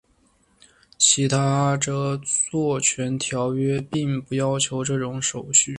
其他着作权条约并不要求这种手续。